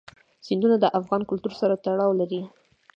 سیندونه د افغان کلتور سره تړاو لري.